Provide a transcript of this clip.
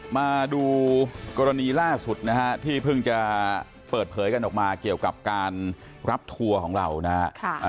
มาดูกรณีล่าสุดนะฮะที่เพิ่งจะเปิดเผยกันออกมาเกี่ยวกับการรับทัวร์ของเรานะฮะ